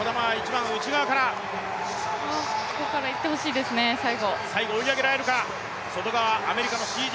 ここからいってほしいですね、最後。